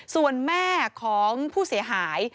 ส่วนแม่ของผู้เสียหาย